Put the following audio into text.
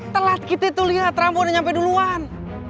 telat kita tuh lihat rambut udah nyampe duluan